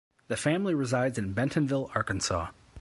The family resides in Bentonville, Arkansas.